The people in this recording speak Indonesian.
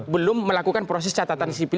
belum melakukan proses catatan sipil